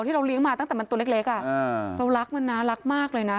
เราเลี้ยงมาตั้งแต่มันตัวเล็กเรารักมันนะรักมากเลยนะ